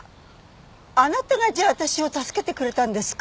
あなたがじゃあ私を助けてくれたんですか？